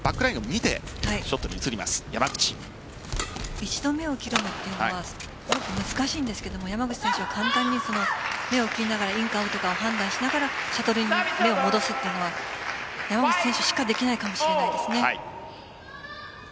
一度目を切るというのはすごく難しいんですけど山口選手は簡単に目を切りながらインかアウトかを判断しながらシャトルに目を戻すというのは山口選手しかできないかもしれないですね。